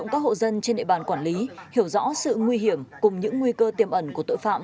các hộ dân trên địa bàn quản lý hiểu rõ sự nguy hiểm cùng những nguy cơ tiềm ẩn của tội phạm